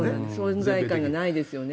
存在感がないですよね。